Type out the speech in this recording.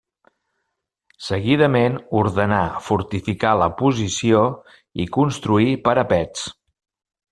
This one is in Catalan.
Seguidament ordenà fortificar la posició i construir parapets.